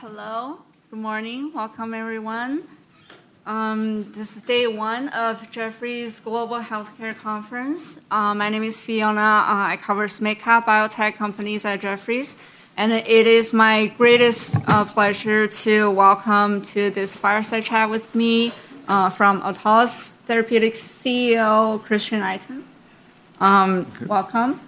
Hello. Good morning. Welcome, everyone. This is day one of Jefferies Global Healthcare Conference. My name is Fiona. I cover medtech, biotech companies at Jefferies, and it is my greatest pleasure to welcome to this fireside chat with me, from Autolus Therapeutics, CEO Christian Itin. Thank you. Welcome.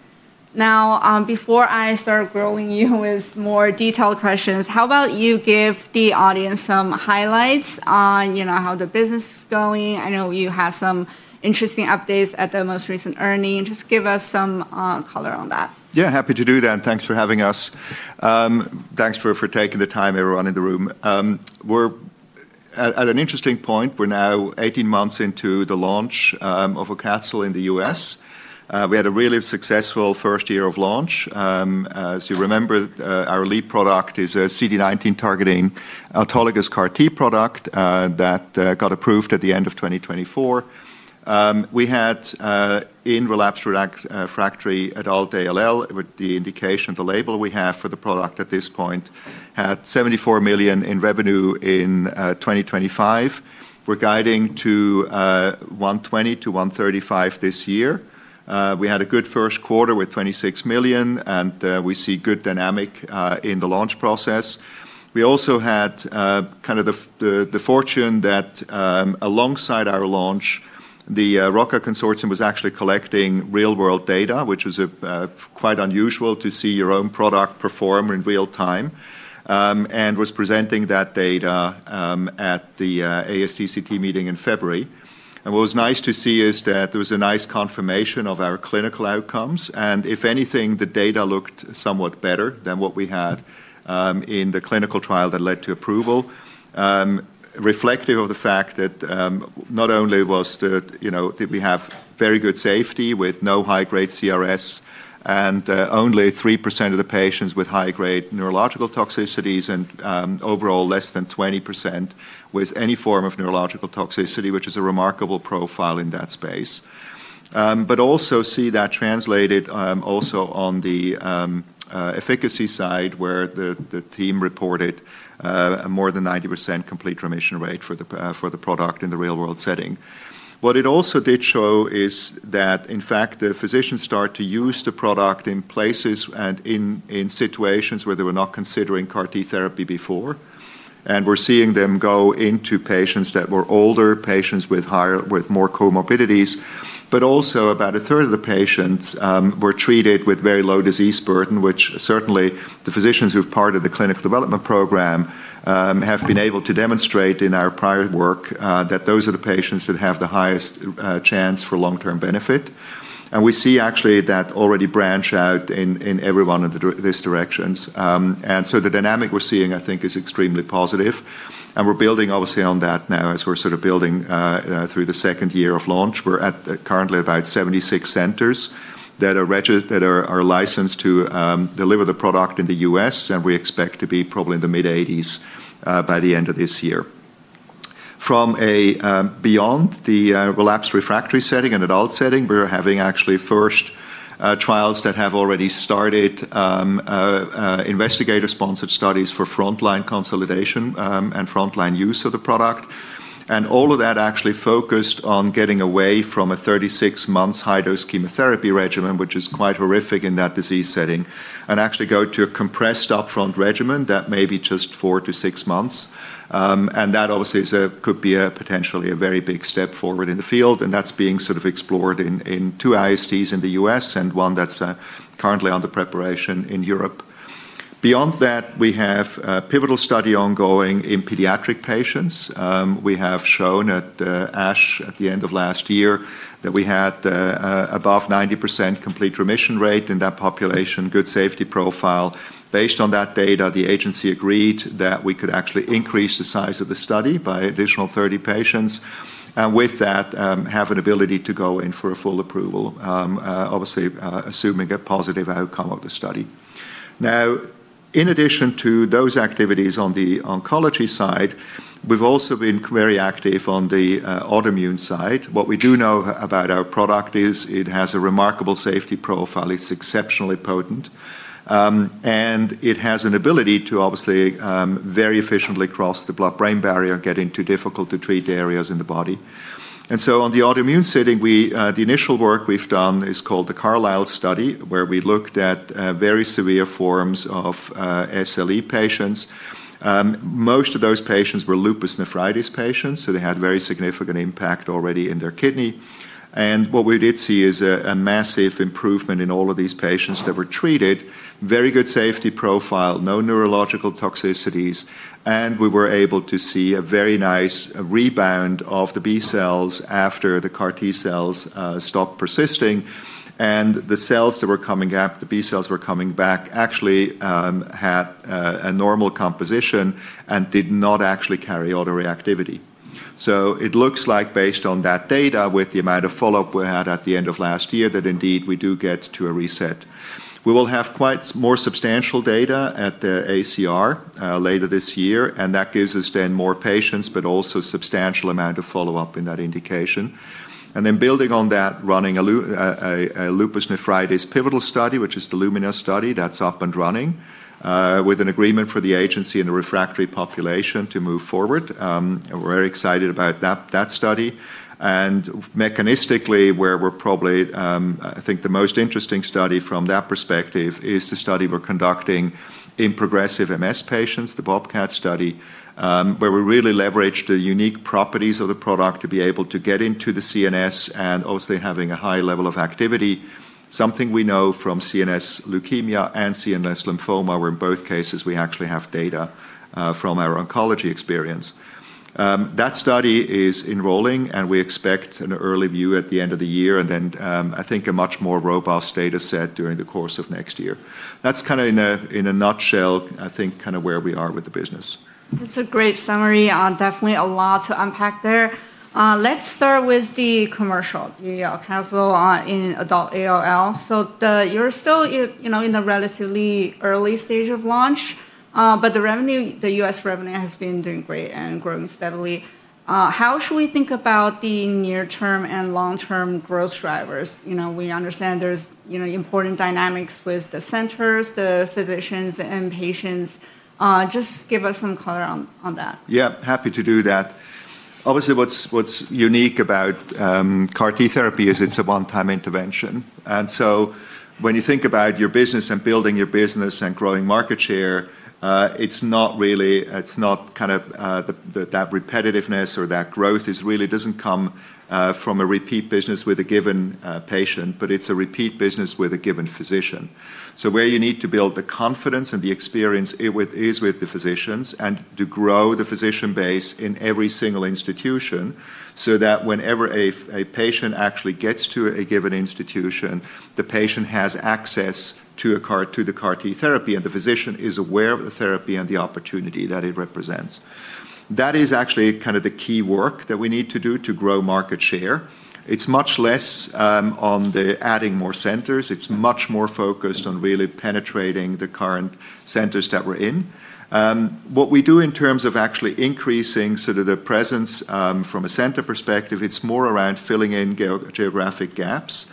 Before I start grilling you with more detailed questions, how about you give the audience some highlights on how the business is going. I know you have some interesting updates at the most recent earnings. Just give us some color on that. Yeah, happy to do that, thanks for having us. Thanks for taking the time, everyone in the room. We're at an interesting point. We're now 18 months into the launch of AUCATZYL in the U.S. We had a really successful first year of launch. As you remember, our lead product is a CD19-targeting autologous CAR-T product that got approved at the end of 2024. We had in relapsed refractory adult ALL, with the indication, the label we have for the product at this point, had $74 million in revenue in 2025. We're guiding to $120 million-$135 million this year. We had a good first quarter with $26 million, we see good dynamic in the launch process. We also had the fortune that alongside our launch, the ROCCA consortium was actually collecting real-world data, which was quite unusual to see your own product perform in real time, and was presenting that data at the ASTCT meeting in February. What was nice to see is that there was a nice confirmation of our clinical outcomes, and if anything, the data looked somewhat better than what we had in the clinical trial that led to approval. Reflective of the fact that not only did we have very good safety with no high-grade CRS and only 3% of the patients with high-grade neurological toxicities, and overall less than 20% with any form of neurological toxicity, which is a remarkable profile in that space. Also see that translated also on the efficacy side, where the team reported more than 90% complete remission rate for the product in the real world setting. What it also did show is that, in fact, the physicians start to use the product in places and in situations where they were not considering CAR-T therapy before. We're seeing them go into patients that were older, patients with more comorbidities. Also about a third of the patients were treated with very low disease burden, which certainly the physicians who've part of the clinical development program have been able to demonstrate in our prior work that those are the patients that have the highest chance for long-term benefit. We see actually that already branch out in every one of these directions. The dynamic we're seeing, I think, is extremely positive, and we're building obviously on that now as we're building through the second year of launch. We're at currently about 76 centers that are licensed to deliver the product in the U.S., and we expect to be probably in the mid-80s by the end of this year. Beyond the relapsed refractory setting and adult setting, we're having actually first trials that have already started investigator-sponsored studies for frontline consolidation and frontline use of the product. All of that actually focused on getting away from a 36 months high-dose chemotherapy regimen, which is quite horrific in that disease setting, and actually go to a compressed upfront regimen that may be just four to six months. That obviously could be a potentially a very big step forward in the field, and that's being explored in two ISTs in the U.S. and one that's currently under preparation in Europe. Beyond that, we have a pivotal study ongoing in pediatric patients. We have shown at ASH at the end of last year that we had above 90% complete remission rate in that population, good safety profile. Based on that data, the agency agreed that we could actually increase the size of the study by additional 30 patients, and with that have an ability to go in for a full approval, obviously assuming a positive outcome of the study. Now, in addition to those activities on the oncology side, we've also been very active on the autoimmune side. What we do know about our product is it has a remarkable safety profile. It's exceptionally potent. It has an ability to obviously very efficiently cross the blood-brain barrier, get into difficult to treat areas in the body. On the autoimmune setting, the initial work we've done is called the CARLYSLE study, where we looked at very severe forms of SLE patients. Most of those patients were lupus nephritis patients, so they had very significant impact already in their kidney. What we did see is a massive improvement in all of these patients that were treated. Very good safety profile, no neurological toxicities, and we were able to see a very nice rebound of the B cells after the CAR-T cells stopped persisting. The cells that were coming up, the B cells were coming back, actually had a normal composition and did not actually carry autoreactivity. It looks like based on that data, with the amount of follow-up we had at the end of last year, that indeed we do get to a reset. We will have quite more substantial data at the ACR later this year, and that gives us then more patients, but also substantial amount of follow-up in that indication. Building on that, running a lupus nephritis pivotal study, which is the LUMINA study that's up and running with an agreement for the agency and the refractory population to move forward. We're very excited about that study. Mechanistically, I think the most interesting study from that perspective is the study we're conducting in progressive MS patients, the BOBCAT study, where we really leverage the unique properties of the product to be able to get into the CNS and obviously having a high level of activity. Something we know from CNS leukemia and CNS lymphoma, where in both cases we actually have data from our oncology experience. That study is enrolling. We expect an early view at the end of the year. I think a much more robust data set during the course of next year. That's in a nutshell, I think where we are with the business. That's a great summary. Definitely a lot to unpack there. Let's start with the commercial, the Yervoy in adult ALL. You're still in the relatively early stage of launch, but the U.S. revenue has been doing great and growing steadily. How should we think about the near term and long-term growth drivers? We understand there's important dynamics with the centers, the physicians, and patients. Just give us some color on that. Yeah, happy to do that. Obviously, what's unique about CAR-T therapy is it's a one-time intervention. When you think about your business and building your business and growing market share, it's not that repetitiveness or that growth is really doesn't come from a repeat business with a given patient, but it's a repeat business with a given physician. Where you need to build the confidence and the experience is with the physicians, and to grow the physician base in every single institution, so that whenever a patient actually gets to a given institution, the patient has access to the CAR-T therapy, and the physician is aware of the therapy and the opportunity that it represents. That is actually the key work that we need to do to grow market share. It's much less on the adding more centers. It's much more focused on really penetrating the current centers that we're in. What we do in terms of actually increasing the presence from a center perspective, it's more around filling in geographic gaps,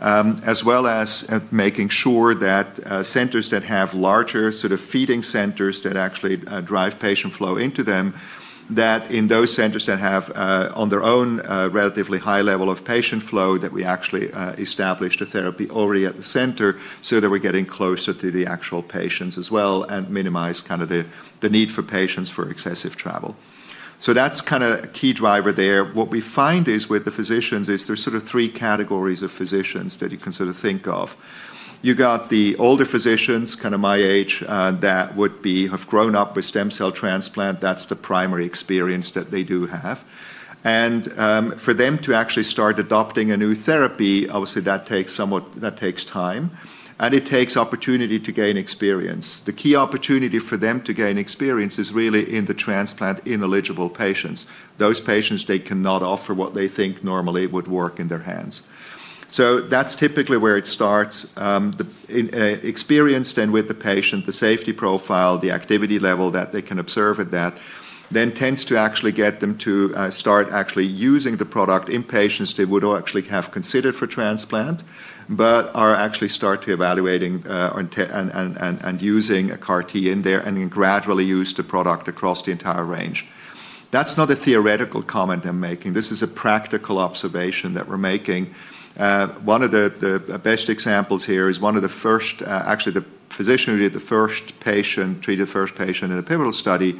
as well as making sure that centers that have larger feeding centers that actually drive patient flow into them, that in those centers that have on their own a relatively high level of patient flow, that we actually established a therapy already at the center so that we're getting closer to the actual patients as well and minimize the need for patients for excessive travel. That's a key driver there. What we find is with the physicians is there's three categories of physicians that you can think of. You got the older physicians my age that would have grown up with stem cell transplant. That's the primary experience that they do have. For them to actually start adopting a new therapy, obviously that takes time, and it takes opportunity to gain experience. The key opportunity for them to gain experience is really in the transplant-ineligible patients. Those patients they cannot offer what they think normally would work in their hands. That's typically where it starts. The experience then with the patient, the safety profile, the activity level that they can observe at that, then tends to actually get them to start actually using the product in patients they would actually have considered for transplant, but are actually start to evaluating and using a CAR-T in there and gradually use the product across the entire range. That's not a theoretical comment I'm making. This is a practical observation that we're making. One of the best examples here is actually the physician who did the first patient, treated the first patient in a pivotal study,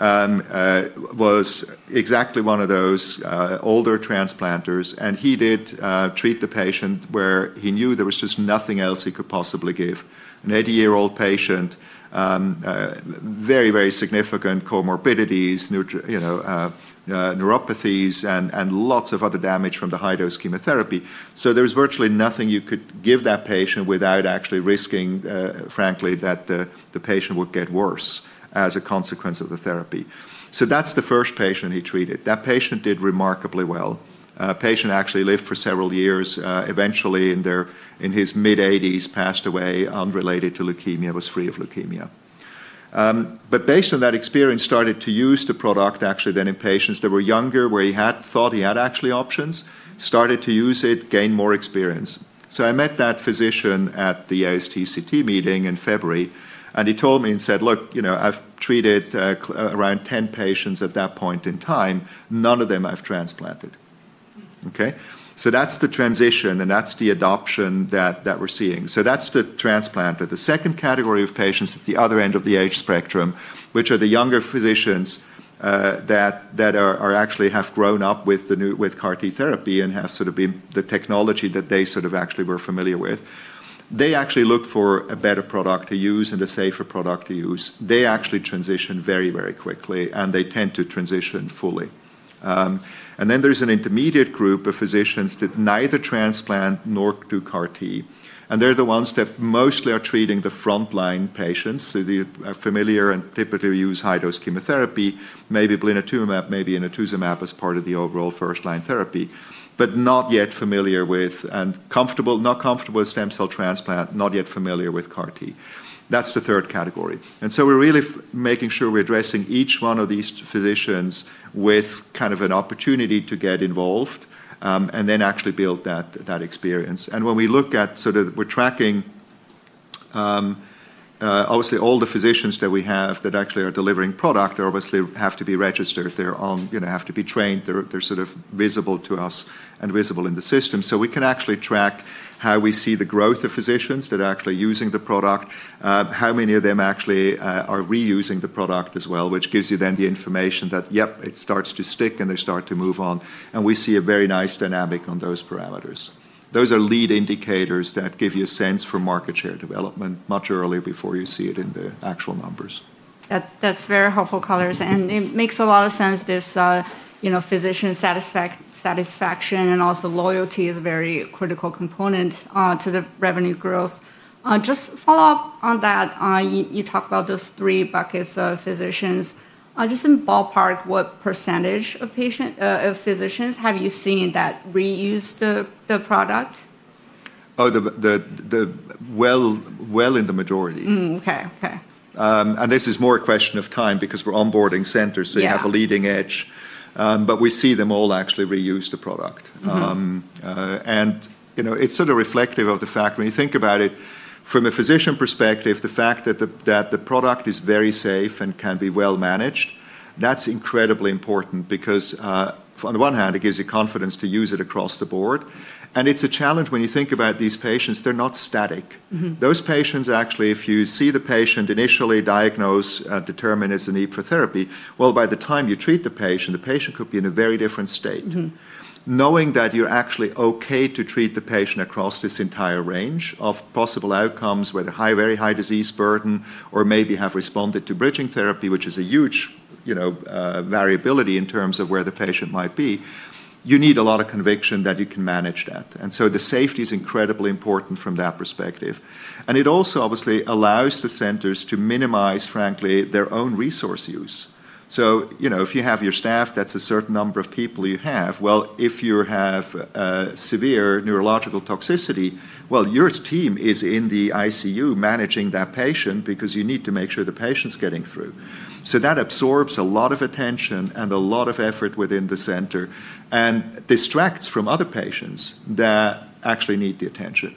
was exactly one of those older transplanters. He did treat the patient where he knew there was just nothing else he could possibly give. An 80-year-old patient, very, very significant comorbidities, neuropathies, and lots of other damage from the high-dose chemotherapy. There was virtually nothing you could give that patient without actually risking, frankly, that the patient would get worse as a consequence of the therapy. That's the first patient he treated. That patient did remarkably well. Patient actually lived for several years, eventually in his mid-80s, passed away unrelated to leukemia, was free of leukemia. Based on that experience, started to use the product actually then in patients that were younger, where he had thought he had actually options, started to use it, gain more experience. I met that physician at the ASTCT meeting in February, and he told me and said, "Look, I've treated around 10 patients at that point in time. None of them I've transplanted." Okay. That's the transition and that's the adoption that we're seeing. That's the transplant. The second category of patients at the other end of the age spectrum, which are the younger physicians that actually have grown up with CAR-T therapy and have sort of been the technology that they sort of actually were familiar with. They actually look for a better product to use and a safer product to use. They actually transition very, very quickly, and they tend to transition fully. There's an intermediate group of physicians that neither transplant nor do CAR-T. They're the ones that mostly are treating the frontline patients, so they are familiar and typically use high-dose chemotherapy, maybe blinatumomab, maybe inotuzumab as part of the overall first-line therapy. Not yet familiar with and comfortable, not comfortable with stem cell transplant, not yet familiar with CAR-T. That's the third category. We're really making sure we're addressing each one of these physicians with an opportunity to get involved, and then actually build that experience. When we look at sort of we're tracking obviously all the physicians that we have that actually are delivering product obviously have to be registered. They have to be trained. They're sort of visible to us and visible in the system. We can actually track how we see the growth of physicians that are actually using the product, how many of them actually are reusing the product as well, which gives you then the information that, yep, it starts to stick and they start to move on. We see a very nice dynamic on those parameters. Those are lead indicators that give you a sense for market share development much earlier before you see it in the actual numbers. That's very helpful, colors. It makes a lot of sense, this physician satisfaction and also loyalty is a very critical component to the revenue growth. Just follow up on that, you talk about those three buckets of physicians. Just in ballpark, what % of physicians have you seen that reuse the product? Well in the majority. Okay. This is more a question of time because we're onboarding centers. Yeah You have a leading edge. We see them all actually reuse the product. It's sort of reflective of the fact, when you think about it from a physician perspective, the fact that the product is very safe and can be well managed, that's incredibly important because, on the one hand, it gives you confidence to use it across the board, and it's a challenge when you think about these patients, they're not static. Those patients actually, if you see the patient initially diagnosed, determined there's a need for therapy. Well, by the time you treat the patient, the patient could be in a very different state. Knowing that you're actually okay to treat the patient across this entire range of possible outcomes, whether very high disease burden or maybe have responded to bridging therapy, which is a huge variability in terms of where the patient might be, you need a lot of conviction that you can manage that. The safety's incredibly important from that perspective. It also obviously allows the centers to minimize, frankly, their own resource use. If you have your staff, that's a certain number of people you have. Well, if you have severe neurological toxicity, well, your team is in the ICU managing that patient because you need to make sure the patient's getting through. That absorbs a lot of attention and a lot of effort within the center, and distracts from other patients that actually need the attention.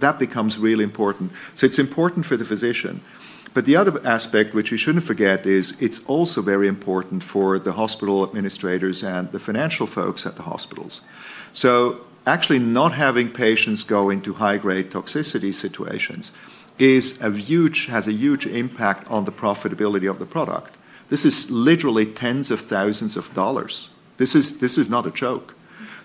That becomes really important. It's important for the physician. The other aspect which we shouldn't forget is, it's also very important for the hospital administrators and the financial folks at the hospitals. Actually, not having patients go into high-grade toxicity situations has a huge impact on the profitability of the product. This is literally tens of thousands of dollars. This is not a joke.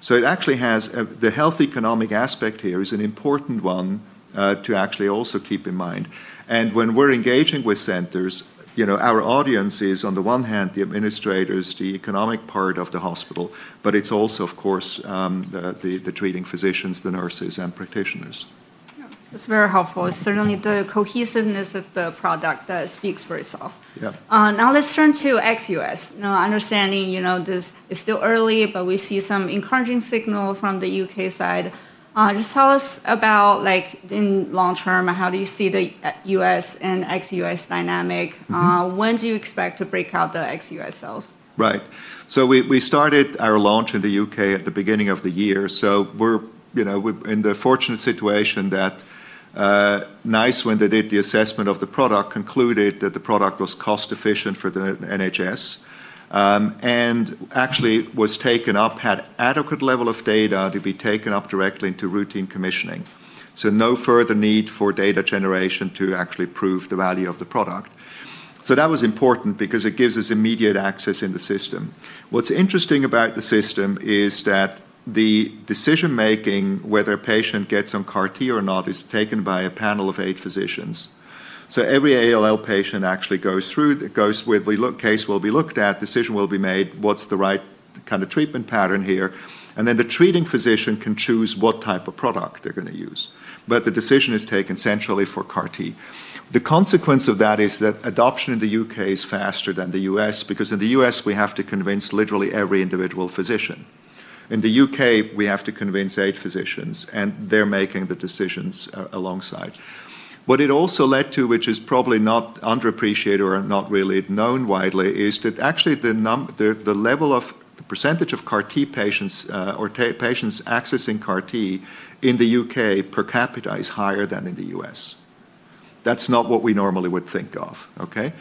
The health economic aspect here is an important one to actually also keep in mind. When we're engaging with centers, our audience is, on the one hand, the administrators, the economic part of the hospital, but it's also, of course, the treating physicians, the nurses, and practitioners. Yeah. That's very helpful. Certainly, the cohesiveness of the product speaks for itself. Yeah. Now let's turn to ex-U.S. Now, understanding this is still early, but we see some encouraging signal from the U.K. side. Just tell us about, in long term, how do you see the U.S. and ex-U.S. dynamic? When do you expect to break out the ex-U.S. sales? Right. We started our launch in the U.K. at the beginning of the year. We're in the fortunate situation that NICE, when they did the assessment of the product, concluded that the product was cost efficient for the NHS. Actually was taken up, had adequate level of data to be taken up directly into routine commissioning. No further need for data generation to actually prove the value of the product. That was important because it gives us immediate access in the system. What's interesting about the system is that the decision-making whether a patient gets on CAR-T or not is taken by a panel of eight physicians. Every ALL patient actually goes through, the case will be looked at, decision will be made, what's the right kind of treatment pattern here, and then the treating physician can choose what type of product they're going to use. The decision is taken centrally for CAR-T. The consequence of that is that adoption in the U.K. is faster than the U.S., because in the U.S. we have to convince literally every individual physician. In the U.K., we have to convince eight physicians, and they're making the decisions alongside. What it also led to, which is probably not underappreciated or not really known widely, is that actually the percentage of CAR-T patients or patients accessing CAR-T in the U.K. per capita is higher than in the U.S. That's not what we normally would think of. Okay?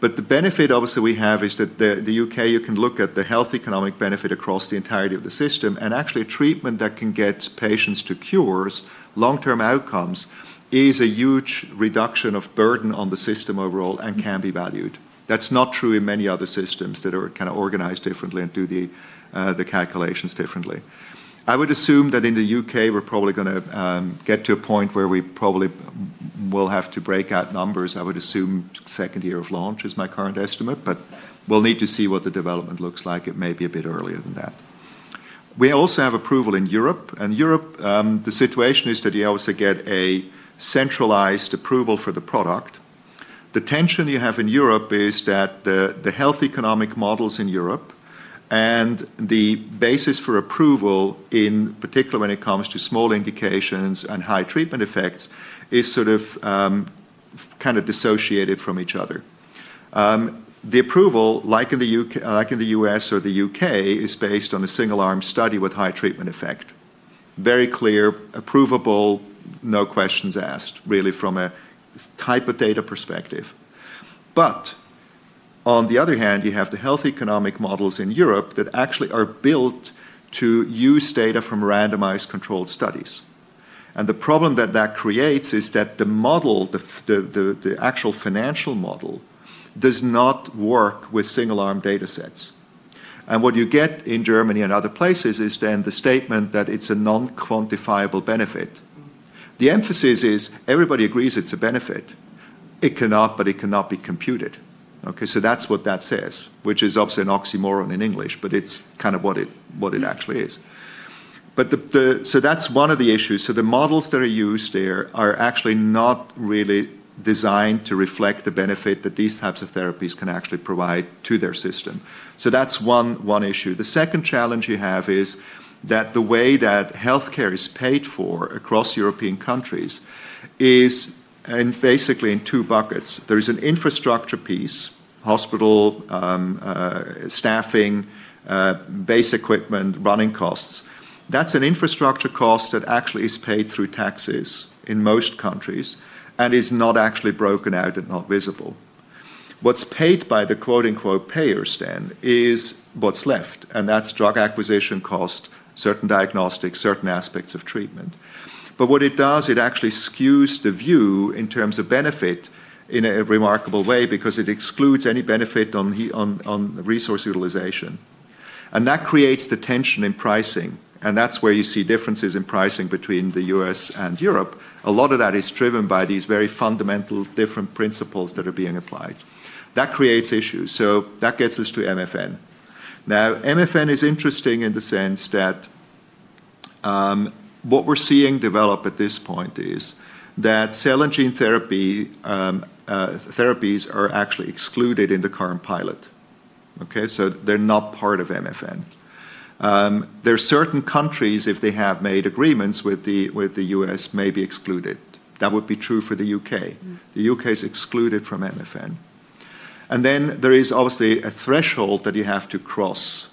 The benefit, obviously, we have is that the U.K., you can look at the health economic benefit across the entirety of the system, and actually a treatment that can get patients to cures, long-term outcomes, is a huge reduction of burden on the system overall and can be valued. That's not true in many other systems that are kind of organized differently and do the calculations differently. I would assume that in the U.K. we're probably going to get to a point where we probably will have to break out numbers. I would assume second year of launch is my current estimate, but we'll need to see what the development looks like. It may be a bit earlier than that. We also have approval in Europe, and Europe, the situation is that you also get a centralized approval for the product. The tension you have in Europe is that the health economic models in Europe and the basis for approval, in particular when it comes to small indications and high treatment effects, is sort of dissociated from each other. The approval, like in the U.S. or the U.K., is based on a single-arm study with high treatment effect. Very clear, approvable, no questions asked, really from a type of data perspective. On the other hand, you have the health economic models in Europe that actually are built to use data from randomized controlled studies. The problem that that creates is that the model, the actual financial model, does not work with single-arm datasets. What you get in Germany and other places is then the statement that it's a non-quantifiable benefit. The emphasis is everybody agrees it's a benefit, but it cannot be computed. Okay, that's what that says, which is obviously an oxymoron in English, but it's kind of what it actually is. That's one of the issues. The models that are used there are actually not really designed to reflect the benefit that these types of therapies can actually provide to their system. That's one issue. The second challenge you have is that the way that healthcare is paid for across European countries is basically in two buckets. There is an infrastructure piece, hospital, staffing, base equipment, running costs. That's an infrastructure cost that actually is paid through taxes in most countries and is not actually broken out and not visible. What's paid by the quote-unquote "payers" then is what's left, and that's drug acquisition cost, certain diagnostics, certain aspects of treatment. What it does, it actually skews the view in terms of benefit in a remarkable way because it excludes any benefit on the resource utilization. That creates the tension in pricing, and that's where you see differences in pricing between the U.S. and Europe. A lot of that is driven by these very fundamental different principles that are being applied. That creates issues. That gets us to MFN. MFN is interesting in the sense that what we're seeing develop at this point is that cell and gene therapies are actually excluded in the current pilot. Okay? They're not part of MFN. There are certain countries, if they have made agreements with the U.S., may be excluded. That would be true for the U.K. The U.K.'s excluded from MFN. There is obviously a threshold that you have to cross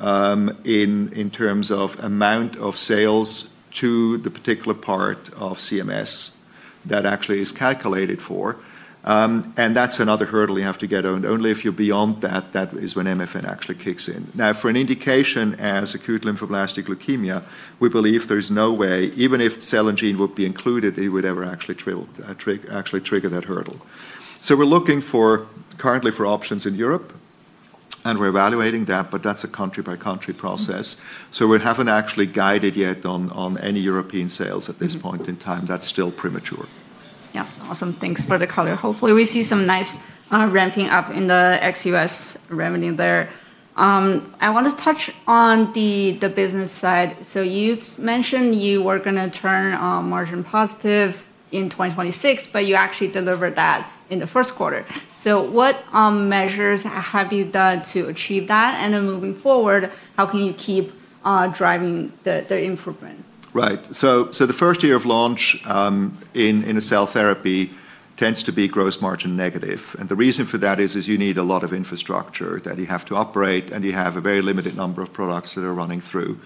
in terms of amount of sales to the particular part of CMS that actually is calculated for, and that's another hurdle you have to get on. Only if you're beyond that is when MFN actually kicks in. For an indication as acute lymphoblastic leukemia, we believe there's no way, even if cell and gene would be included, it would ever actually trigger that hurdle. We're looking currently for options in Europe, and we're evaluating that, but that's a country-by-country process. We haven't actually guided yet on any European sales at this point in time. That's still premature. Yeah. Awesome. Thanks for the color. Hopefully, we see some nice ramping up in the ex-US revenue there. I want to touch on the business side. You mentioned you were going to turn margin positive in 2026, but you actually delivered that in the first quarter. What measures have you done to achieve that? Moving forward, how can you keep driving the improvement? Right. The first year of launch in a cell therapy tends to be gross margin negative. The reason for that is you need a lot of infrastructure that you have to operate, and you have a very limited number of products that are running through.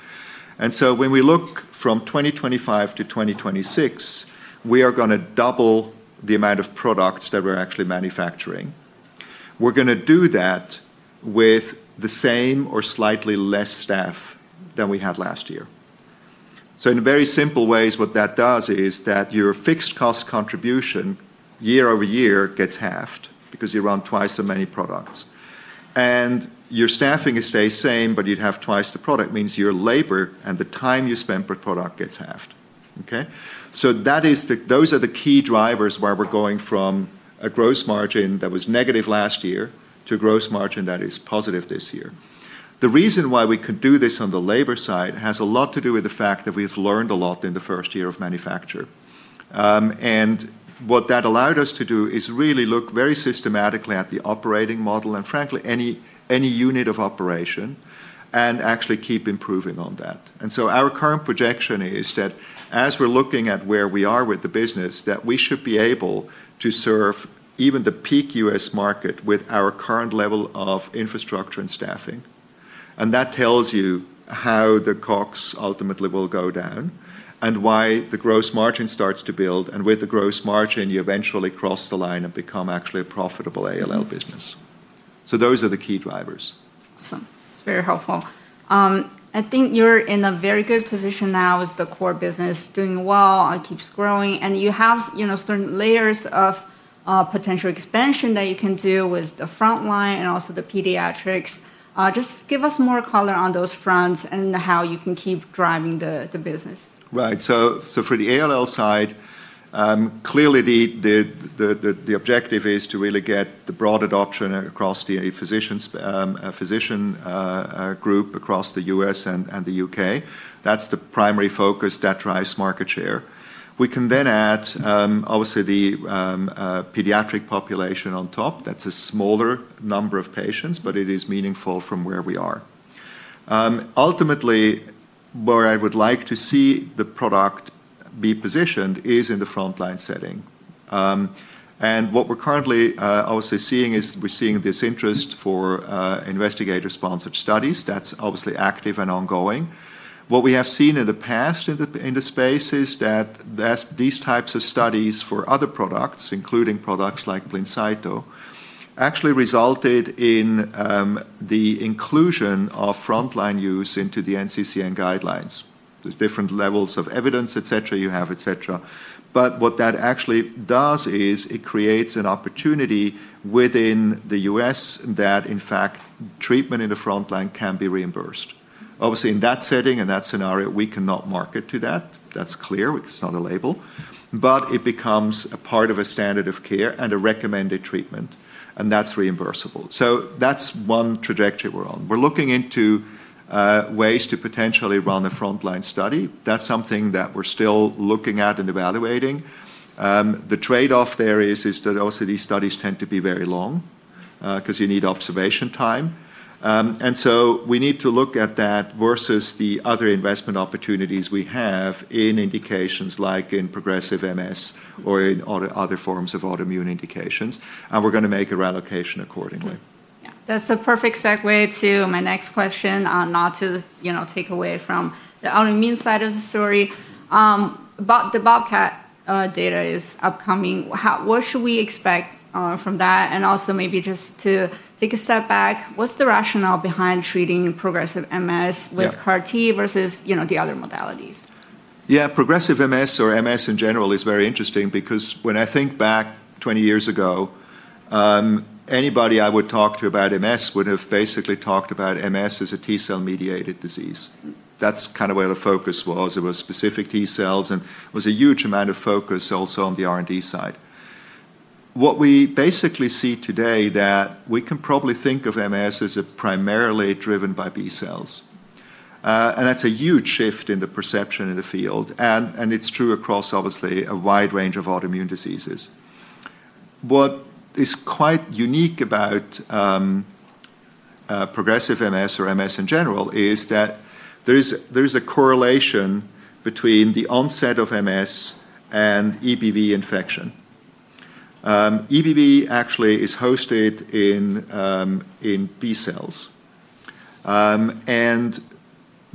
When we look from 2025-2026, we are going to double the amount of products that we're actually manufacturing. We're going to do that with the same or slightly less staff than we had last year. In very simple ways, what that does is that your fixed cost contribution year-over-year gets halved because you run twice as many products. Your staffing stays same, but you'd have twice the product, means your labor and the time you spend per product gets halved. Okay? Those are the key drivers why we're going from a gross margin that was negative last year to a gross margin that is positive this year. The reason why we could do this on the labor side has a lot to do with the fact that we've learned a lot in the first year of manufacture. What that allowed us to do is really look very systematically at the operating model and frankly any unit of operation and actually keep improving on that. Our current projection is that as we're looking at where we are with the business, that we should be able to serve even the peak U.S. market with our current level of infrastructure and staffing. That tells you how the costs ultimately will go down and why the gross margin starts to build. With the gross margin, you eventually cross the line and become actually a profitable ALL business. Those are the key drivers. Awesome. That's very helpful. I think you're in a very good position now as the core business doing well, it keeps growing, and you have certain layers of potential expansion that you can do with the frontline and also the pediatrics. Just give us more color on those fronts and how you can keep driving the business. Right. For the ALL side, clearly the objective is to really get the broad adoption across the physician group across the U.S. and the U.K. That's the primary focus that drives market share. We can then add, obviously, the pediatric population on top. That's a smaller number of patients, but it is meaningful from where we are. Ultimately, where I would like to see the product be positioned is in the frontline setting. What we're currently obviously seeing is we're seeing this interest for investigator-sponsored studies. That's obviously active and ongoing. What we have seen in the past in the space is that these types of studies for other products, including products like Blincyto, actually resulted in the inclusion of frontline use into the NCCN guidelines. There's different levels of evidence, et cetera, you have, et cetera. What that actually does is it creates an opportunity within the U.S. that, in fact, treatment in the frontline can be reimbursed. Obviously, in that setting and that scenario, we cannot market to that. That's clear. It's not a label. It becomes a part of a standard of care and a recommended treatment, and that's reimbursable. That's one trajectory we're on. We're looking into ways to potentially run a frontline study. That's something that we're still looking at and evaluating. The trade-off there is that also these studies tend to be very long, because you need observation time. We need to look at that versus the other investment opportunities we have in indications like in progressive MS or in other forms of autoimmune indications. We're going to make a reallocation accordingly. Yeah. That's a perfect segue to my next question, not to take away from the autoimmune side of the story. The BOBCAT data is upcoming. What should we expect from that? Also maybe just to take a step back, what's the rationale behind treating progressive MS- Yeah with CAR-T versus the other modalities? Yeah. Progressive MS or MS, in general, is very interesting because when I think back 20 years ago, anybody I would talk to about MS would have basically talked about MS as a T cell-mediated disease. That's where the focus was. It was specific T cells, and it was a huge amount of focus also on the R&D side. What we basically see today that we can probably think of MS as primarily driven by B cells. That's a huge shift in the perception in the field, and it's true across, obviously, a wide range of autoimmune diseases. What is quite unique about progressive MS or MS, in general, is that there is a correlation between the onset of MS and EBV infection. EBV actually is hosted in B cells.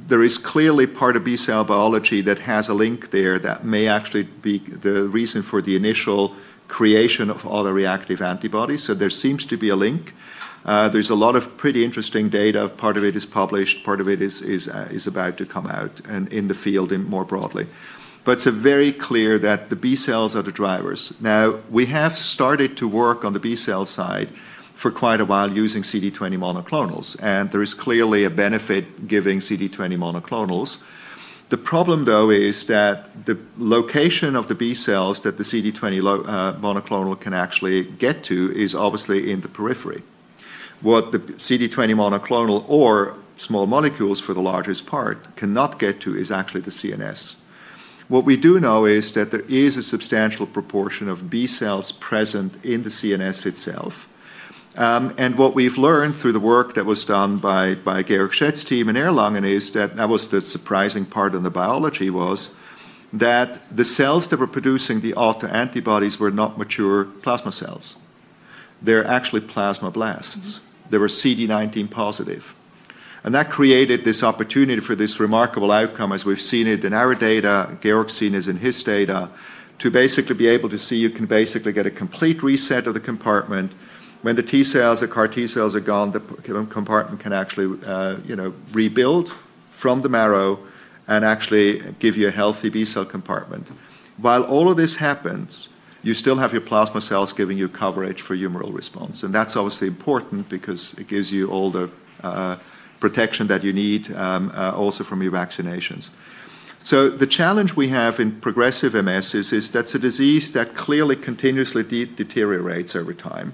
There is clearly part of B-cell biology that has a link there that may actually be the reason for the initial creation of autoreactive antibodies. There seems to be a link. There's a lot of pretty interesting data. Part of it is published, part of it is about to come out, and in the field and more broadly. It's very clear that the B-cells are the drivers. We have started to work on the B-cell side for quite a while using CD20 monoclonals, and there is clearly a benefit giving CD20 monoclonals. The problem, though, is that the location of the B-cells that the CD20 monoclonal can actually get to is obviously in the periphery. What the CD20 monoclonal or small molecules, for the largest part, cannot get to is actually the CNS. What we do know is that there is a substantial proportion of B cells present in the CNS itself. What we've learned through the work that was done by Georg Schett's team in Erlangen is that was the surprising part in the biology, was that the cells that were producing the autoantibodies were not mature plasma cells. They're actually plasmablasts. They were CD19 positive. That created this opportunity for this remarkable outcome, as we've seen it in our data, Georg's seen this in his data, to basically be able to see you can basically get a complete reset of the compartment. When the T cells, the CAR-T cells are gone, the compartment can actually rebuild from the marrow and actually give you a healthy B cell compartment. All of this happens, you still have your plasma cells giving you coverage for humoral response, and that's obviously important because it gives you all the protection that you need also from your vaccinations. The challenge we have in progressive MS is that it's a disease that clearly continuously deteriorates over time.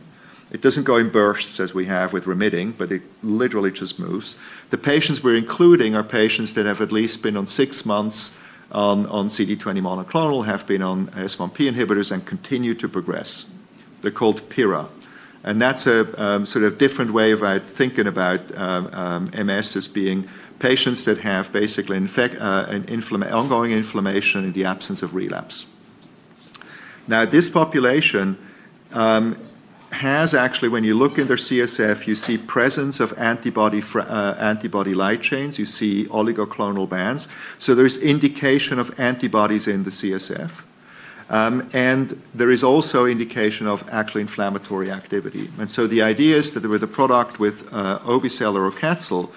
It doesn't go in bursts as we have with remitting, but it literally just moves. The patients we're including are patients that have at least been on six months on CD20 monoclonal, have been on S1P inhibitors, continue to progress. They're called PIRA. That's a different way about thinking about MS as being patients that have basically, in fact, an ongoing inflammation in the absence of relapse. Now, this population has actually, when you look in their CSF, you see presence of antibody light chains. You see oligoclonal bands. There's indication of antibodies in the CSF. There is also indication of actual inflammatory activity. The idea is that with a product with obe-cel or AUCATZYL,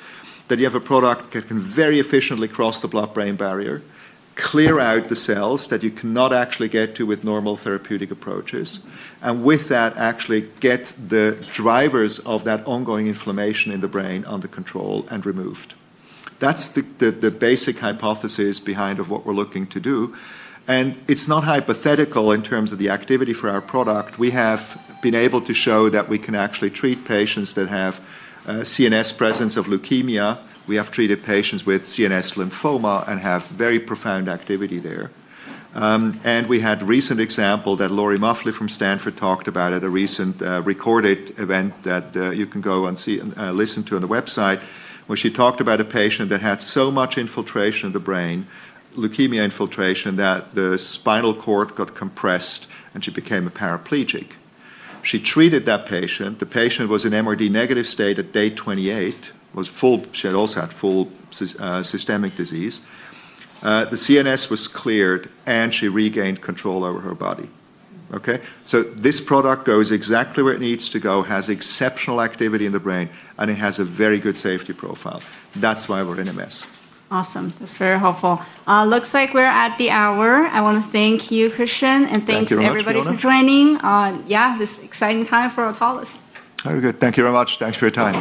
that you have a product that can very efficiently cross the blood-brain barrier, clear out the cells that you cannot actually get to with normal therapeutic approaches. With that, actually get the drivers of that ongoing inflammation in the brain under control and removed. That's the basic hypothesis behind of what we're looking to do. It's not hypothetical in terms of the activity for our product. We have been able to show that we can actually treat patients that have CNS presence of leukemia. We have treated patients with CNS lymphoma and have very profound activity there. We had recent example that Lori Muffly from Stanford talked about at a recent recorded event that you can go and see and listen to on the website, where she talked about a patient that had so much infiltration of the brain, leukemia infiltration, that the spinal cord got compressed, and she became a paraplegic. She treated that patient. The patient was in MRD negative state at day 28. She also had full systemic disease. The CNS was cleared, and she regained control over her body. Okay. This product goes exactly where it needs to go, has exceptional activity in the brain, and it has a very good safety profile. That's why we're in MS. Awesome. That's very helpful. Looks like we're at the hour. I want to thank you, Christian. Thank you very much, Fiona. Thanks everybody for joining on, yeah, this exciting time for Autolus. Very good. Thank you very much. Thanks for your time.